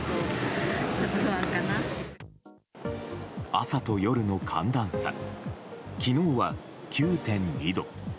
朝と夜の寒暖差昨日は９．２度。